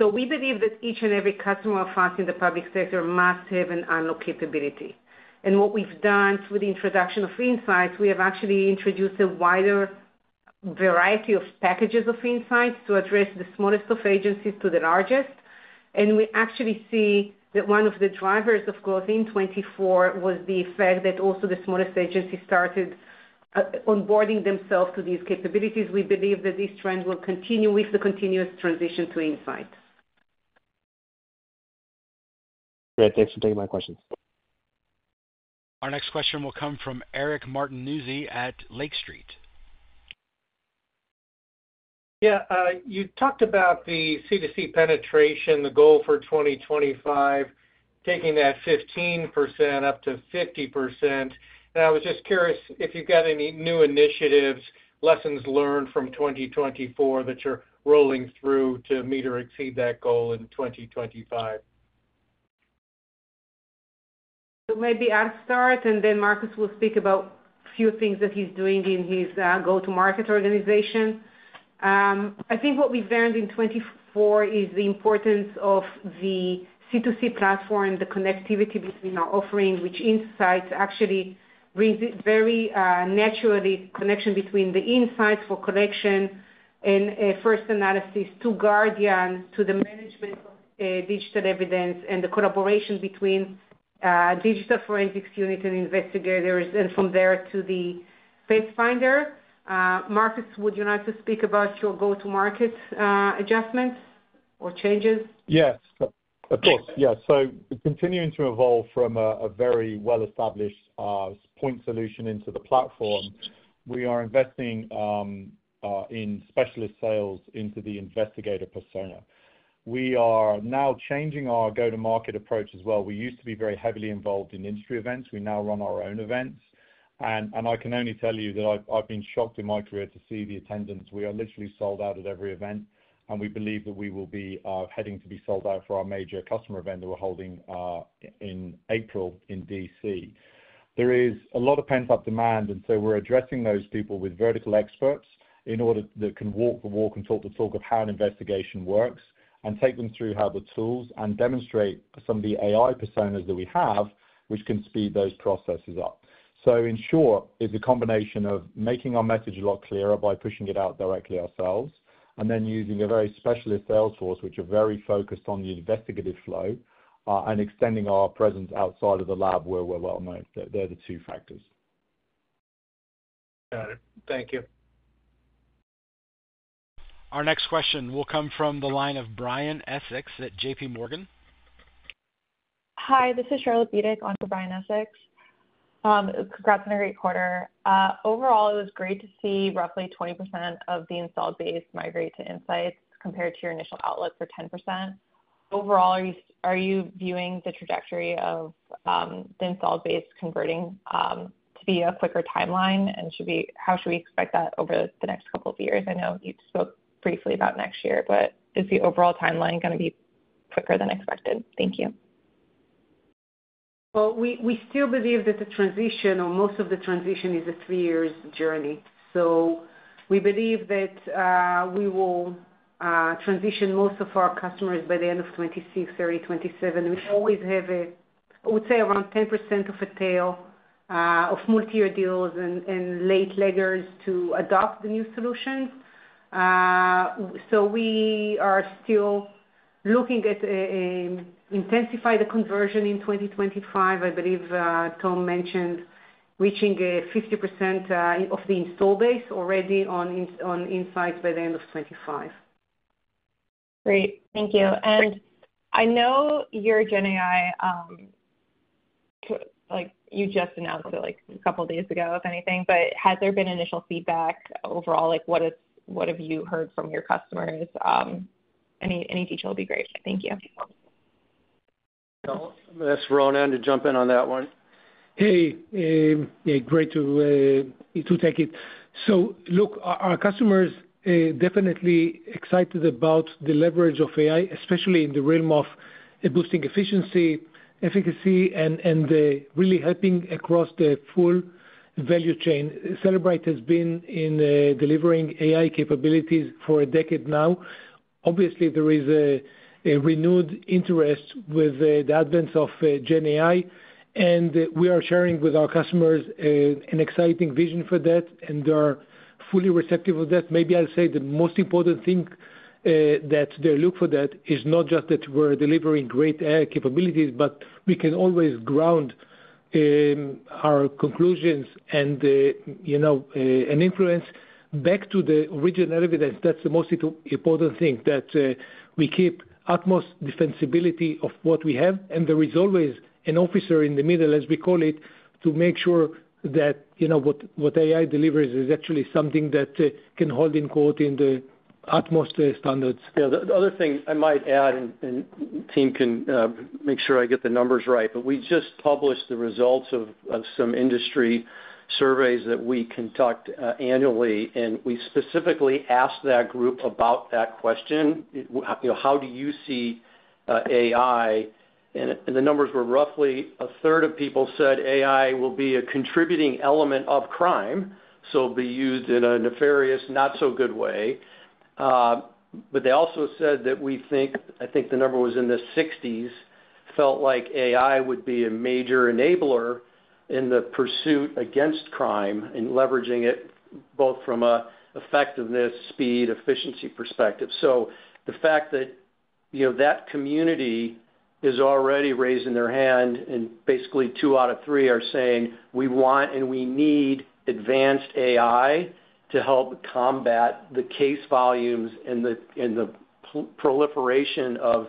So we believe that each and every customer of us in the public sector must have an unlock capability. And what we've done through the introduction of Inseyets, we have actually introduced a wider variety of packages of Inseyets to address the smallest of agencies to the largest. And we actually see that one of the drivers of growth in 2024 was the effect that also the smallest agency started onboarding themselves to these capabilities. We believe that this trend will continue with the continuous transition to Inseyets. Great. Thanks for taking my questions. Our next question will come from Eric Martinuzzi at Lake Street. Yeah. You talked about the C2C penetration, the goal for 2025, taking that 15% up to 50%. And I was just curious if you've got any new initiatives, lessons learned from 2024 that you're rolling through to meet or exceed that goal in 2025. So maybe I'll start, and then Marcus will speak about a few things that he's doing in his go-to-market organization. I think what we've learned in 2024 is the importance of the C2C platform and the connectivity between our offering, which Inseyets actually brings it very naturally, connection between the Inseyets for collection and first analysis to Guardian, to the management of digital evidence, and the collaboration between digital forensics unit and investigators, and from there to the Pathfinder. Marcus, would you like to speak about your go-to-market adjustments or changes? Yes. Of course. Yeah. So continuing to evolve from a very well-established point solution into the platform, we are investing in specialist sales into the investigator persona. We are now changing our go-to-market approach as well. We used to be very heavily involved in industry events. We now run our own events. And I can only tell you that I've been shocked in my career to see the attendance. We are literally sold out at every event, and we believe that we will be heading to be sold out for our major customer event that we're holding in April in D.C.. There is a lot of pent-up demand, and so we're addressing those people with vertical experts that can walk the walk and talk the talk of how an investigation works and take them through how the tools and demonstrate some of the AI personas that we have, which can speed those processes up. So in short, it's a combination of making our message a lot clearer by pushing it out directly ourselves, and then using a very specialist sales force, which are very focused on the investigative flow and extending our presence outside of the lab where we're well-known. They're the two factors. Got it. Thank you. Our next question will come from the line of Brian Lee Essex at JPMorgan. Hi. This is Charlotte Bedick on for Brian Lee Essex. Congrats on a great quarter. Overall, it was great to see roughly 20% of the installed base migrate to Inseyets compared to your initial outlook for 10%. Overall, are you viewing the trajectory of the installed base converting to be a quicker timeline? And how should we expect that over the next couple of years? I know you spoke briefly about next year, but is the overall timeline going to be quicker than expected? Thank you. Well, we still believe that the transition, or most of the transition, is a three-year journey. So we believe that we will transition most of our customers by the end of 2026, early 2027. We always have a, I would say, around 10% of a tail of multi-year deals and late leggers to adopt the new solutions. So we are still looking at intensifying the conversion in 2025. I believe Tom mentioned reaching 50% of the install base already on Inseyets by the end of 2025. Great. Thank you. And I know your GenAI, you just announced it a couple of days ago, if anything, but has there been initial feedback overall? What have you heard from your customers? Any detail would be great. Thank you. That's Ronnen to jump in on that one. Hey. Yeah. Great to take it. So look, our customers are definitely excited about the leverage of AI, especially in the realm of boosting efficiency, efficacy, and really helping across the full value chain. Cellebrite has been in delivering AI capabilities for a decade now. Obviously, there is a renewed interest with the advent of GenAI, and we are sharing with our customers an exciting vision for that, and they're fully receptive of that. Maybe I'll say the most important thing that they look for that is not just that we're delivering great capabilities, but we can always ground our conclusions and influence back to the original evidence. That's the most important thing, that we keep utmost defensibility of what we have. And there is always an officer in the middle, as we call it, to make sure that what AI delivers is actually something that can hold in court in the utmost standards. Yeah. The other thing I might add, and the team can make sure I get the numbers right, but we just published the results of some industry surveys that we conduct annually, and we specifically asked that group about that question, "How do you see AI?" The numbers were roughly a third of people said AI will be a contributing element of crime, so it'll be used in a nefarious, not-so-good way. But they also said that we think, I think the number was in the 60s, felt like AI would be a major enabler in the pursuit against crime and leveraging it both from an effectiveness, speed, efficiency perspective. So the fact that that community is already raising their hand, and basically two out of three are saying, "We want and we need advanced AI to help combat the case volumes and the proliferation of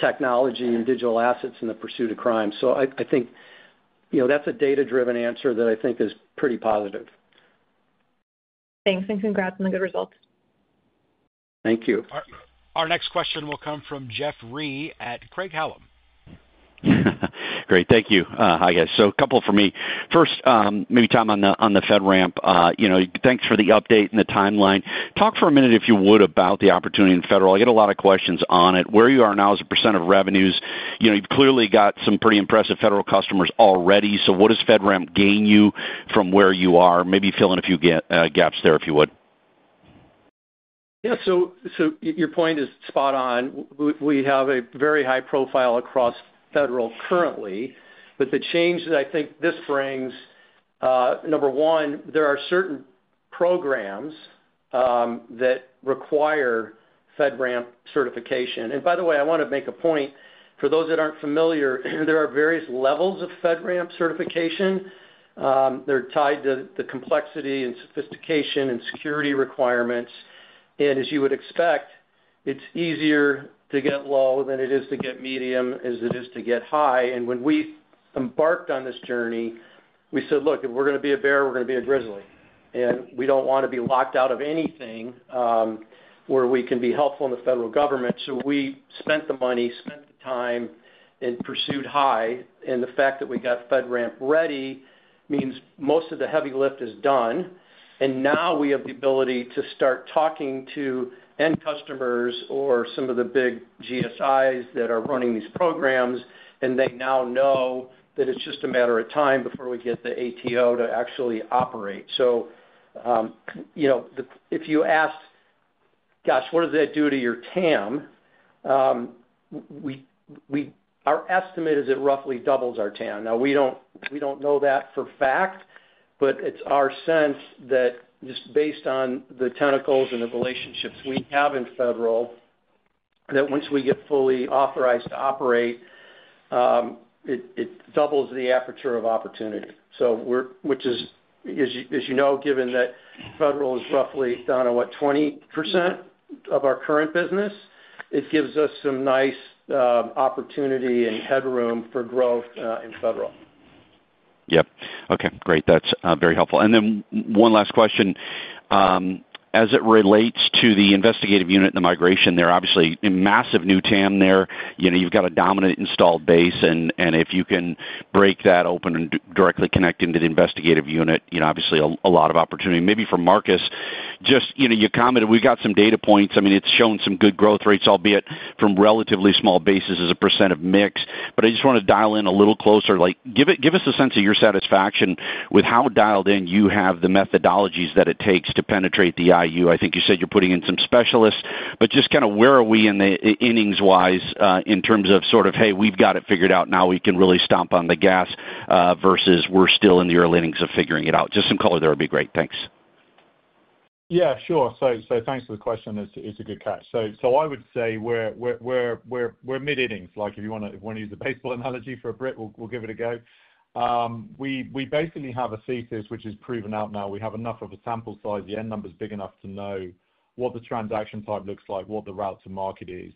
technology and digital assets in the pursuit of crime." So I think that's a data-driven answer that I think is pretty positive. Thanks. And congrats on the good results. Thank you. Our next question will come from Jeff Van Rhee at Craig-Hallum. Great. Thank you. Hi, guys. So a couple for me. First, maybe time on the FedRAMP. Thanks for the update and the timeline. Talk for a minute, if you would, about the opportunity in federal. I get a lot of questions on it. Where you are now as a percent of revenues, you've clearly got some pretty impressive federal customers already. So what does FedRAMP gain you from where you are? Maybe fill in a few gaps there, if you would. Yeah. So your point is spot on. We have a very high profile across federal currently. But the change that I think this brings, number one, there are certain programs that require FedRAMP certification. And by the way, I want to make a point. For those that aren't familiar, there are various levels of FedRAMP certification. They're tied to the complexity and sophistication and security requirements. And as you would expect, it's easier to get low than it is to get medium, as it is to get high. And when we embarked on this journey, we said, "Look, if we're going to be a bear, we're going to be a grizzly." And we don't want to be locked out of anything where we can be helpful in the federal government. We spent the money, spent the time, and pursued high. The fact that we got FedRAMP Ready means most of the heavy lift is done. Now we have the ability to start talking to end customers or some of the big GSIs that are running these programs, and they now know that it's just a matter of time before we get the ATO to actually operate. If you asked, "Gosh, what does that do to your TAM?" Our estimate is it roughly doubles our TAM. Now, we don't know that for fact, but it's our sense that just based on the tentacles and the relationships we have in federal, that once we get fully authorized to operate, it doubles the aperture of opportunity. Which, as you know, given that federal is roughly down to, what, 20% of our current business, it gives us some nice opportunity and headroom for growth in federal. Yep. Okay. Great. That's very helpful. And then one last question. As it relates to the investigative unit and the migration, there are obviously massive new TAM there. You've got a dominant installed base, and if you can break that open and directly connect into the investigative unit, obviously a lot of opportunity. Maybe for Marcus, just your comment of, "We've got some data points." I mean, it's shown some good growth rates, albeit from relatively small bases as a percent of mix. But I just want to dial in a little closer. Give us a sense of your satisfaction with how dialed in you have the methodologies that it takes to penetrate the IU. I think you said you're putting in some specialists, but just kind of where are we in the innings-wise in terms of sort of, "Hey, we've got it figured out. Now we can really stomp on the gas," versus, "We're still in the early innings of figuring it out." Just some color there would be great. Thanks. Yeah. Sure. So thanks for the question. It's a good catch. So I would say we're mid-innings. If you want to use the baseball analogy, for brevity we'll give it a go. We basically have a thesis which is proven out now. We have enough of a sample size. The N number is big enough to know what the transaction type looks like, what the route to market is.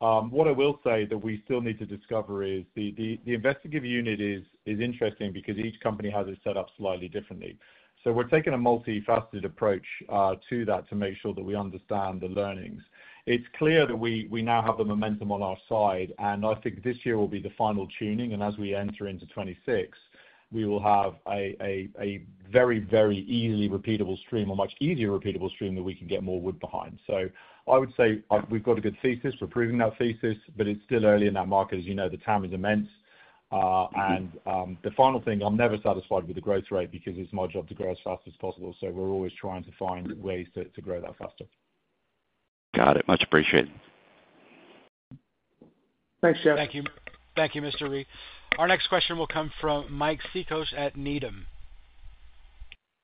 What I will say that we still need to discover is the investigative unit is interesting because each company has it set up slightly differently. So we're taking a multifaceted approach to that to make sure that we understand the learnings. It's clear that we now have the momentum on our side, and I think this year will be the final tuning, and as we enter into 2026, we will have a very, very easily repeatable stream or much easier repeatable stream that we can get more wood behind, so I would say we've got a good thesis. We're proving that thesis, but it's still early in that market. As you know, the TAM is immense, and the final thing, I'm never satisfied with the growth rate because it's my job to grow as fast as possible, so we're always trying to find ways to grow that faster. Got it. Much appreciated. Thanks, Jeff. Thank you. Thank you, Mr. Van Rhee. Our next question will come from Mike Cikos at Needham.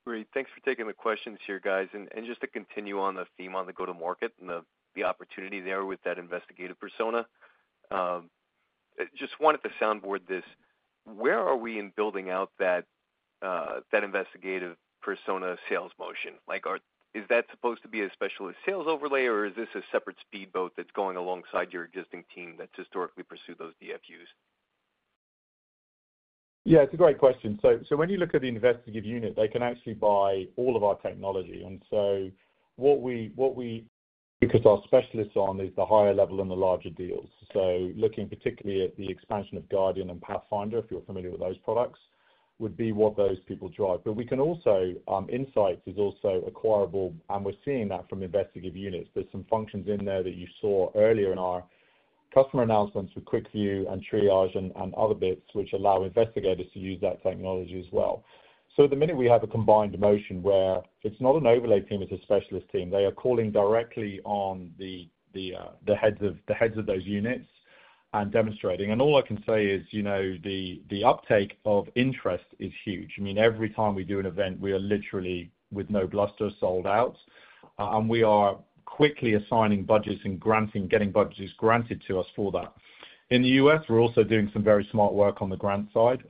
Great. Thanks for taking the questions here, guys. And just to continue on the theme on the go-to-market and the opportunity there with that investigative persona, just wanted to soundboard this. Where are we in building out that investigative persona sales motion? Is that supposed to be a specialist sales overlay, or is this a separate speedboat that's going alongside your existing team that's historically pursued those DFUs? Yeah. It's a great question. So when you look at the investigative unit, they can actually buy all of our technology. And so what we focus our specialists on is the higher level and the larger deals. So looking particularly at the expansion of Guardian and Pathfinder, if you're familiar with those products, would be what those people drive. But we can also Inseyets is also acquirable, and we're seeing that from investigative units. There's some functions in there that you saw earlier in our customer announcements with Quick View and Triage and other bits which allow investigators to use that technology as well. So at the minute, we have a combined motion where it's not an overlay team. It's a specialist team. They are calling directly on the heads of those units and demonstrating. And all I can say is the uptake of interest is huge. I mean, every time we do an event, we are literally with no bluster sold out, and we are quickly assigning budgets and getting budgets granted to us for that. In the U.S., we're also doing some very smart work on the grant side,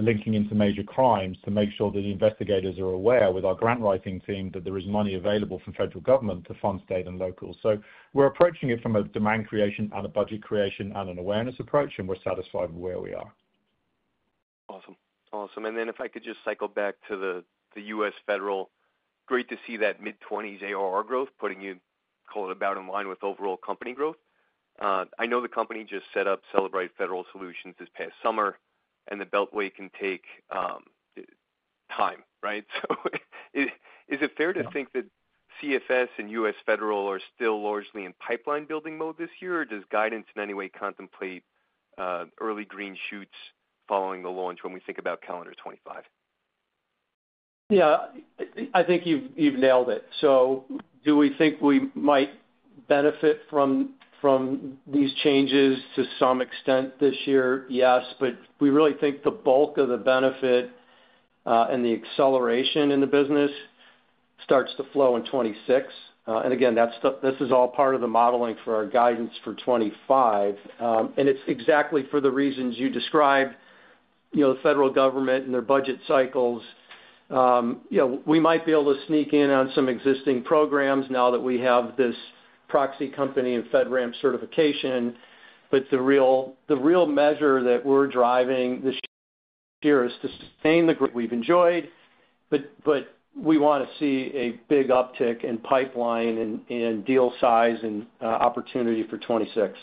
linking into major crimes to make sure that the investigators are aware with our grant writing team that there is money available from federal government to fund state and local. So we're approaching it from a demand creation and a budget creation and an awareness approach, and we're satisfied with where we are. Awesome. Awesome. And then if I could just cycle back to the U.S. federal, great to see that mid-20s ARR growth putting you, call it, about in line with overall company growth. I know the company just set up Cellebrite Federal Solutions this past summer, and the Beltway can take time, right? Is it fair to think that CFS and U.S. federal are still largely in pipeline building mode this year, or does guidance in any way contemplate early green shoots following the launch when we think about calendar 2025? Yeah. I think you've nailed it. Do we think we might benefit from these changes to some extent this year? Yes. But we really think the bulk of the benefit and the acceleration in the business starts to flow in 2026. Again, this is all part of the modeling for our guidance for 2025. It's exactly for the reasons you described, the federal government and their budget cycles. We might be able to sneak in on some existing programs now that we have this proxy company and FedRAMP certification. But the real measure that we're driving this year is to sustain the growth we've enjoyed, but we want to see a big uptick in pipeline and deal size and opportunity for 2026.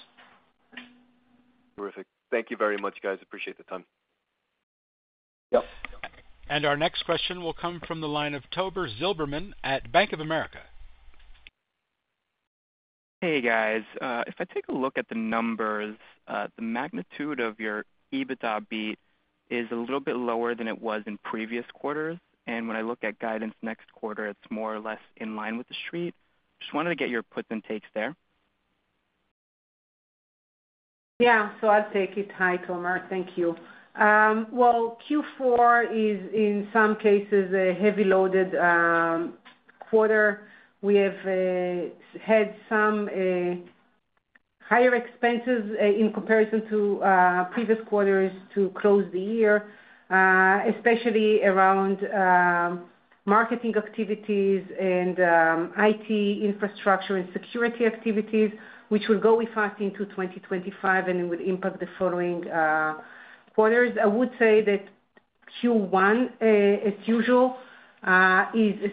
Terrific. Thank you very much, guys. Appreciate the time. Yep. And our next question will come from the line of Tomer Zilberman at Bank of America. Hey, guys. If I take a look at the numbers, the magnitude of your EBITDA beat is a little bit lower than it was in previous quarters. And when I look at guidance next quarter, it's more or less in line with the street. Just wanted to get your puts and takes there. Yeah. So I'll take it. Hi, Tomer. Thank you. Well, Q4 is, in some cases, a heavy-loaded quarter. We have had some higher expenses in comparison to previous quarters to close the year, especially around marketing activities and IT infrastructure and security activities, which will go with us into 2025 and would impact the following quarters. I would say that Q1, as usual, is,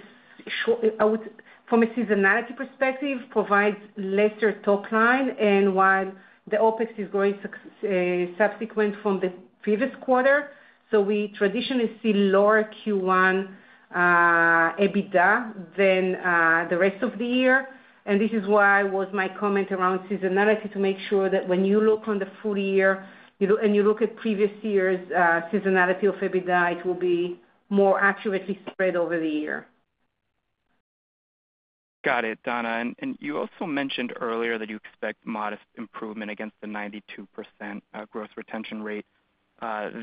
from a seasonality perspective, provides lesser top line. And while the OpEx is growing subsequent from the previous quarter, so we traditionally see lower Q1 EBITDA than the rest of the year. And this is why I was my comment around seasonality to make sure that when you look on the full year and you look at previous year's seasonality of EBITDA, it will be more accurately spread over the year. Got it, Dana. And you also mentioned earlier that you expect modest improvement against the 92% growth retention rate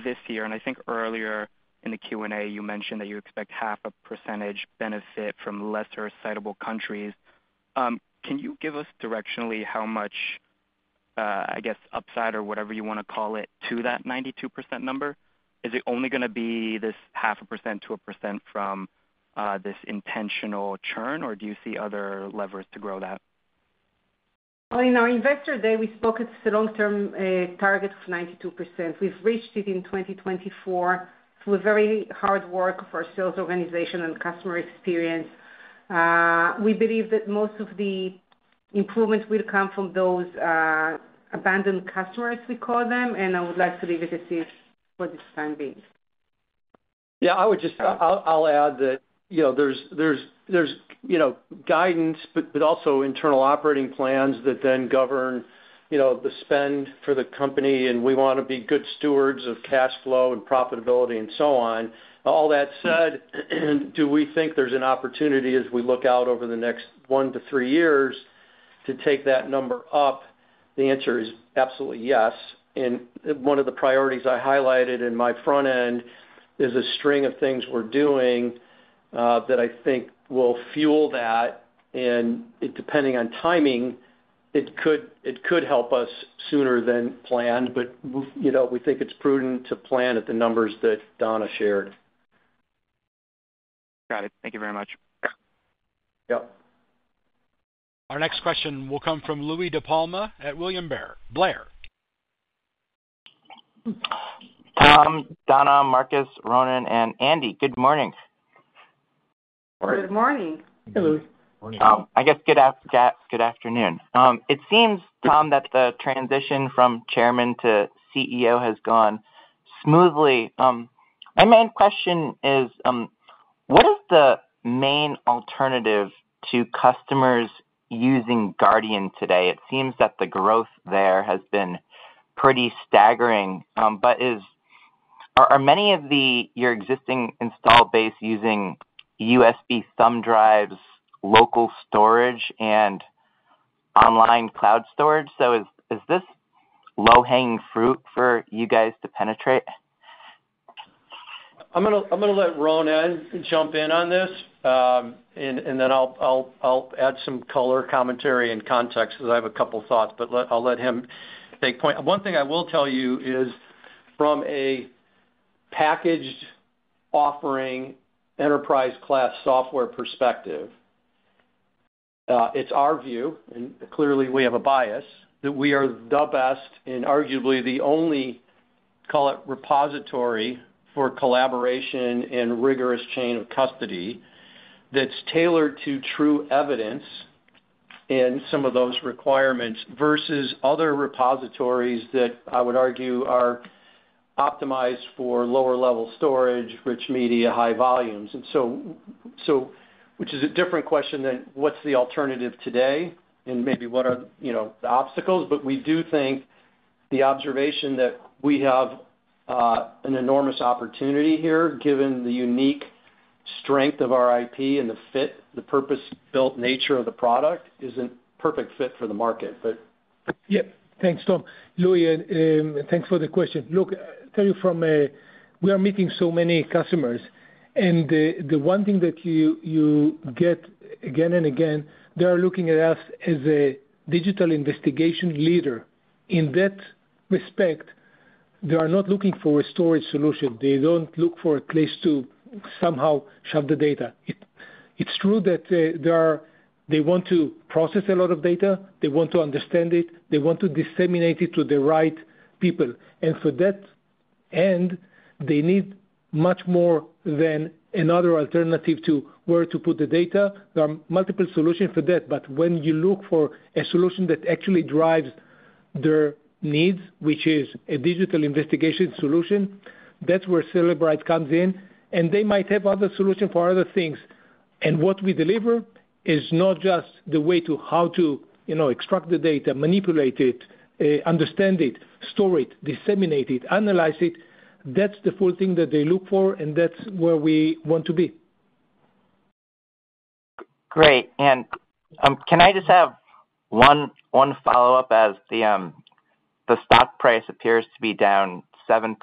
this year. I think earlier in the Q&A, you mentioned that you expect half a percentage benefit from lesser sizable countries. Can you give us directionally how much, I guess, upside or whatever you want to call it, to that 92% number? Is it only going to be this 0.5% to 1% from this intentional churn, or do you see other levers to grow that? Investor Day, we spoke of the long-term target of 92%. We've reached it in 2024 through very hard work for our sales organization and customer experience. We believe that most of the improvements will come from those abandoned customers, we call them, and I would like to leave it as is for this time being. Yeah. I'll add that there's guidance, but also internal operating plans that then govern the spend for the company. And we want to be good stewards of cash flow and profitability and so on. All that said, do we think there's an opportunity as we look out over the next one to three years to take that number up? The answer is absolutely yes. And one of the priorities I highlighted in my front end is a string of things we're doing that I think will fuel that. And depending on timing, it could help us sooner than planned, but we think it's prudent to plan at the numbers that Dana shared. Got it. Thank you very much. Yep. Our next question will come from Louie DiPalma at William Blair. Tom, Dana, Marcus, Ronnen, and Andy. Good morning. Good morning. Hello. I guess good afternoon. It seems, Tom, that the transition from Chairman to CEO has gone smoothly. My main question is, what is the main alternative to customers using Guardian today? It seems that the growth there has been pretty staggering. But are many of your existing installed base using USB thumb drives, local storage, and online cloud storage? So is this low-hanging fruit for you guys to penetrate? I'm going to let Ronnen jump in on this, and then I'll add some color commentary and context because I have a couple of thoughts, but I'll let him take point. One thing I will tell you is, from a packaged offering enterprise-class software perspective, it's our view, and clearly we have a bias, that we are the best and arguably the only, call it, repository for collaboration and rigorous chain of custody that's tailored to true evidence and some of those requirements versus other repositories that I would argue are optimized for lower-level storage, rich media, high volumes. And so, which is a different question than what's the alternative today and maybe what are the obstacles. But we do think the observation that we have an enormous opportunity here, given the unique strength of our IP and the fit, the purpose-built nature of the product, is a perfect fit for the market, but. Yeah. Thanks, Tom. Louie, thanks for the question. Let me tell you from what we are meeting so many customers, and the one thing that you get again and again, they are looking at us as a digital investigation leader. In that respect, they are not looking for a storage solution. They don't look for a place to somehow shove the data. It's true that they want to process a lot of data. They want to understand it. They want to disseminate it to the right people. And for that end, they need much more than another alternative to where to put the data. There are multiple solutions for that. But when you look for a solution that actually drives their needs, which is a digital investigation solution, that's where Cellebrite comes in, and they might have other solutions for other things. And what we deliver is not just the way to how to extract the data, manipulate it, understand it, store it, disseminate it, analyze it. That's the full thing that they look for, and that's where we want to be. Great. And can I just have one follow-up? As the stock price appears to be down 7%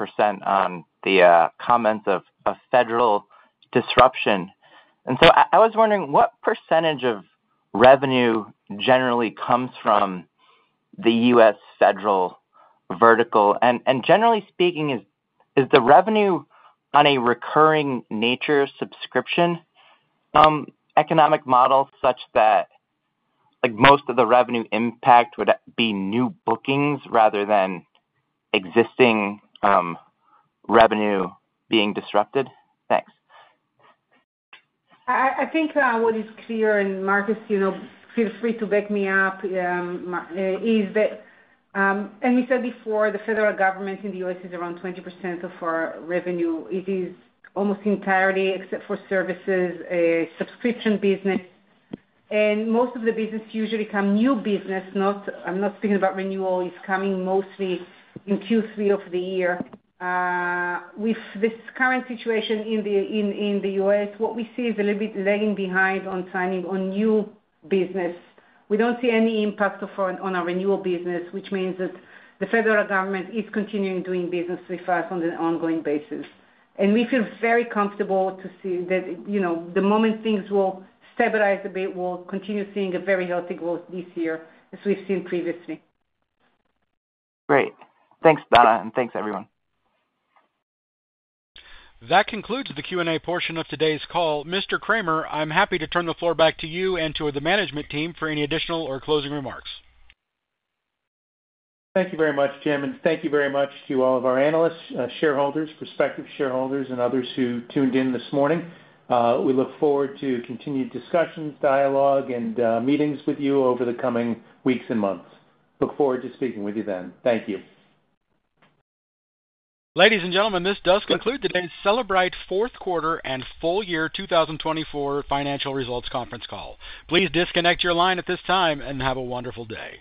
on the comments of federal disruption. And so I was wondering what percentage of revenue generally comes from the U.S. federal vertical? And generally speaking, is the revenue on a recurring nature subscription economic model such that most of the revenue impact would be new bookings rather than existing revenue being disrupted? Thanks. I think what is clear, and Marcus, feel free to back me up, is that, and we said before, the federal government in the U.S. is around 20% of our revenue. It is almost entirely, except for services, subscription business. And most of the business usually come new business. I'm not speaking about renewal. It's coming mostly in Q3 of the year. With this current situation in the U.S., what we see is a little bit lagging behind on signing on new business. We don't see any impact on our renewal business, which means that the federal government is continuing doing business with us on an ongoing basis. And we feel very comfortable to see that the moment things will stabilize a bit, we'll continue seeing a very healthy growth this year, as we've seen previously. Great. Thanks, Dana, and thanks, everyone. That concludes the Q&A portion of today's call. Mr. Kramer, I'm happy to turn the floor back to you and to the management team for any additional or closing remarks. Thank you very much, Jim. Thank you very much to all of our analysts, shareholders, prospective shareholders, and others who tuned in this morning. We look forward to continued discussions, dialogue, and meetings with you over the coming weeks and months. Look forward to speaking with you then. Thank you. Ladies and gentlemen, this does conclude today's Cellebrite Fourth Quarter and Full Year 2024 Financial Results Conference Call. Please disconnect your line at this time and have a wonderful day.